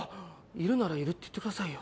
いるならいるって言ってくださいよ。